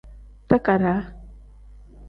Takadaa.